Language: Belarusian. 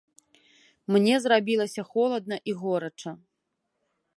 Мне зрабілася холадна і горача.